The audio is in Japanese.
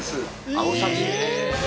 アオサギ？